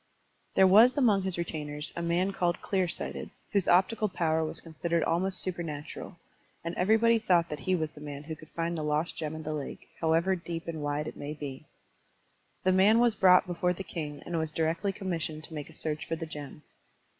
There was among his retainers a man called Clear Sighted, whose optical power was consid ered almost supernatural, and everybody thought that he was the man who could find the lost gem in the lake, however deep and wide it might be. The man was brought before the king and was directly commissioned to make a search for the gem.